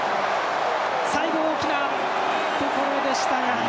最後、大きなところでしたが。